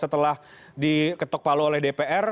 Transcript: setelah diketok palu oleh dpr